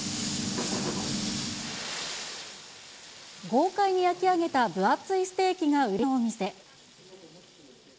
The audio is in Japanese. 豪快に焼き上げた分厚いステーキが売りのお店。